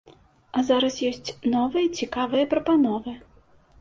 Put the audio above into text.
А зараз ёсць новыя цікавыя прапановы.